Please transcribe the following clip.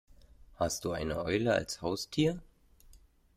Hast du eine Eule als Haustier?